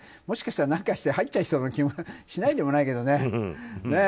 もしかしたら何かして入っちゃいそうな気もしないでもないけどね。